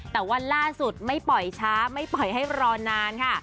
แต่ว่าล่าสุดไม่ปล่อยช้าไม่ปล่อยให้รอนานค่ะ